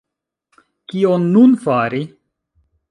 Kion nun fari?